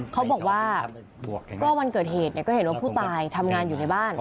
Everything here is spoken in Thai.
เขาบอกว่าก็วันเกิดเหตุก็เห็นว่าผู้ตายทำงานอยู่ในบ้าน